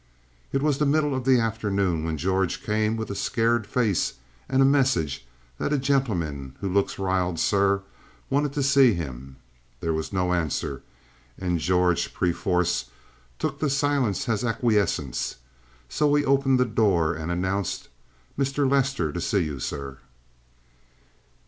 It was the middle of the afternoon when George came with a scared face and a message that a "gen'leman who looks riled, sir," wanted to see him. There was no answer, and George perforce took the silence as acquiescence. So he opened the door and announced: "Mr. Lester to see you, sir."